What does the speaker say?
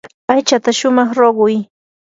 aychata shumaq ruquy.